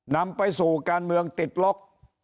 นำไปสู่การเมืองติดล็อก